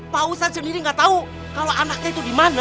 pak ustadz sendiri nggak tahu kalau anaknya itu di mana